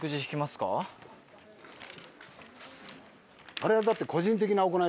あれはだって。